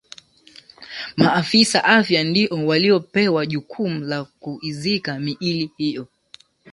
maafisa afya ndio waliopewa jukumu la kuizika miili hiyo